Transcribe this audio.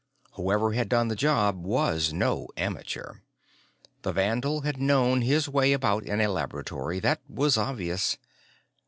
Whoever had done the job was no amateur. The vandal had known his way about in a laboratory, that was obvious.